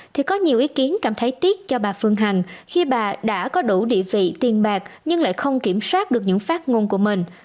thì có nhiều ý kiến cảm thấy tiếc cho bà phương hằng khi bà đã có đủ địa vị tiền bạc nhưng lại không kiểm soát được những phát ngôn của mình